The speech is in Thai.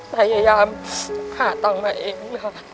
แต่ยัยามหาตังค์มาเองพ่อแม่